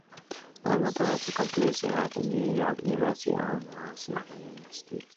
Ramsier taught composition at New York University and the Ohio State University.